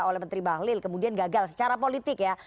oleh menteri bahlil kemudian gagal secara politik ya